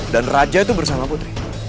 dan raja itu bersama putri